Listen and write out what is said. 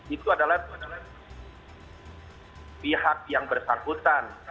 itu adalah pihak yang bersangkutan